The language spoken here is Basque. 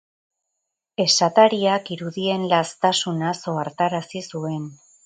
Esatariak irudien laztasunaz ohartarazi zuen.